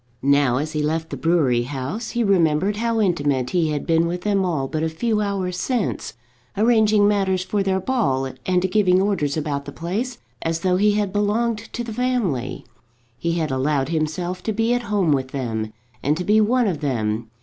Now, as he left the brewery house, he remembered how intimate he had been with them all but a few hours since, arranging matters for their ball, and giving orders about the place as though he had belonged to the family. He had allowed himself to be at home with them, and to be one of them.